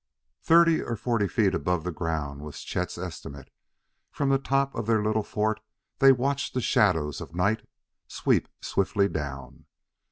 Thirty or forty feet above the ground was Chet's estimate. From the top of their little fort they watched the shadows of night sweep swiftly down.